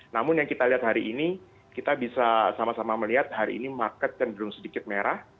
namun yang kita lihat hari ini kita bisa sama sama melihat hari ini market cenderung sedikit merah